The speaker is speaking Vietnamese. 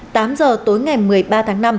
tám h tối ngày một mươi ba tháng năm